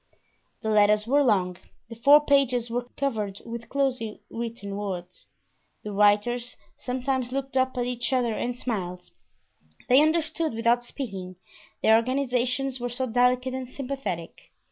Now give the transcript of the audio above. The letters were long—the four pages were covered with closely written words. The writers sometimes looked up at each other and smiled; they understood without speaking, their organizations were so delicate and sympathetic.